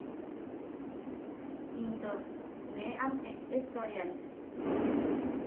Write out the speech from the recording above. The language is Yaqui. Into ne am e’esoriam.